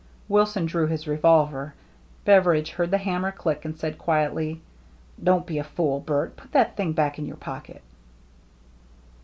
Wilson drew his revolver. Beveridge heard the hammer click, and said quietly, " Don't be a fool, Bert. Put that thing back in your pocket."